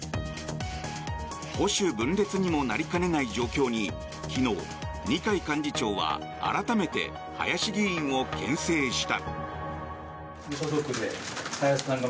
保守分裂にもなりかねない状況に昨日、二階幹事長は改めて林議員をけん制した。